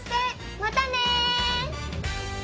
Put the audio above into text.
またね。